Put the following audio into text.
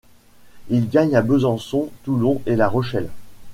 Il gagne à Besançon, Toulon et La Rochelle.